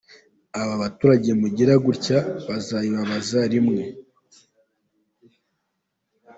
Aba baturage mugira gutya bazabibabaza rimwe.”